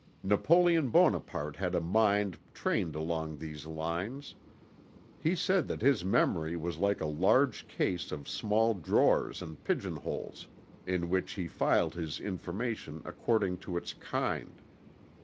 Napoleon Bonaparte had a mind trained along these lines. He said that his memory was like a large case of small drawers and pigeon holes, in which he filed his information according to its kind.